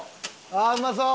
ああうまそう。